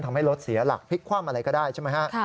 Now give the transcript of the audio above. ทำให้รถเสียหลักพลิกคว่ำอะไรก็ได้ใช่ไหมฮะ